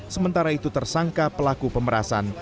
sementara itu tersangka pelaku pemerasan